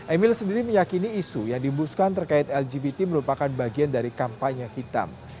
emil sendiri meyakini isu yang dimbuskan terkait lgbt merupakan bagian dari kampanye hitam